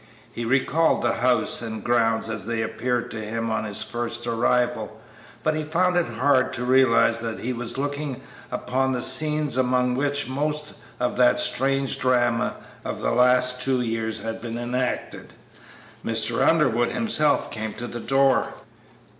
He recalled the house and grounds as they appeared to him on his first arrival, but he found it hard to realize that he was looking upon the scenes among which most of that strange drama of the last two years had been enacted. Mr. Underwood himself came to the door.